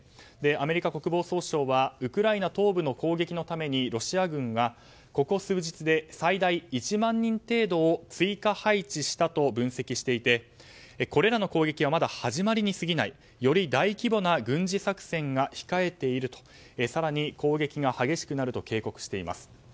アメリカ国防総省はウクライナ東部の攻撃のためにロシア軍がここ数日で最大１万人程度を追加配置したと分析していてこれらの攻撃はまだ始まりに過ぎないより大規模な軍事作戦が控えていると更に攻撃が激しくなると警告しています。